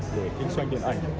để kinh doanh điện ảnh